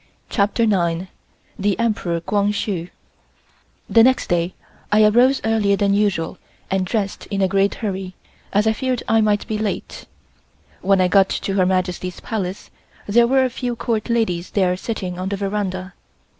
CHAPTER NINE THE EMPEROR KWANG HSU THE next day I arose earlier than usual and dressed in a great hurry, as I feared I might be late. When I got to Her Majesty's Palace there were a few Court ladies there sitting on the veranda.